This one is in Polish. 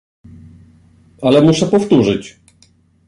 Ale muszę powtórzyć